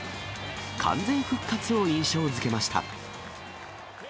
完全復活を印象づけました。